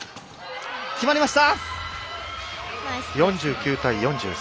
決まりました！